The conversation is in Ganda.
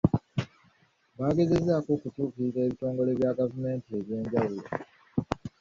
Bagezezzaako okutuukirira ebitongole bya gavumenti eby'enjawulo.